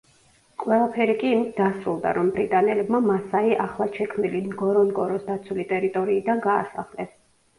ყველაფერი კი იმით დასრულდა, რომ ბრიტანელებმა მასაი ახლად შექმნილი ნგორონგოროს დაცული ტერიტორიიდან გაასახლეს.